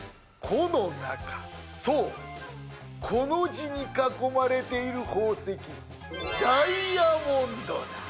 そう「コ」の字に囲まれている宝石ダイヤモンドだ。